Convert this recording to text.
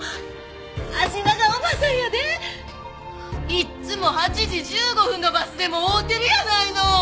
いっつも８時１５分のバスでも会うてるやないの！